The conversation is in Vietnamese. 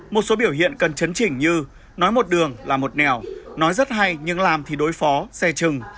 một số biểu hiện cần chấn chỉnh như nói một đường là một nẻo nói rất hay nhưng làm thì đối phó xe chừng